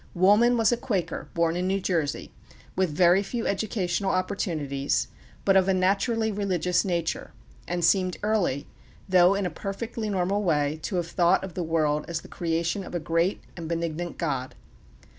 Woolman was a Quaker, born in New Jersey, with very few educational opportunities, but of a naturally religious nature, and seemed early, though in a perfectly normal way, to have thought of the world as the creation of a great and benignant God.